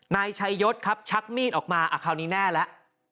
นายชายศชักมีดออกมาอ่ะคราวนี้แน่แล้ว